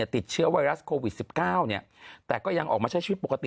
ติดเชื้อไวรัสโควิด๑๙แต่ก็ยังออกมาใช้ชีวิตปกติ